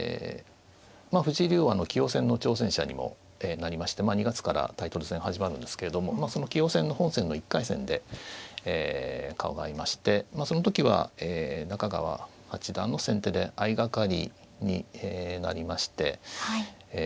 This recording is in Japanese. まあ藤井竜王は棋王戦の挑戦者にもなりまして２月からタイトル戦始まるんですけれどもまあその棋王戦の本戦の１回戦で顔が合いましてまあその時は中川八段の先手で相掛かりになりましてええ